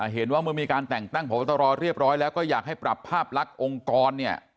เห็นว่าเมื่อมีการแต่งตั้งพบตรเรียบร้อยแล้วก็อยากให้ปรับภาพลักษณ์องค์กรเนี่ย